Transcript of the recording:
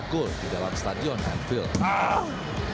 penyakit di dalam stadion anfield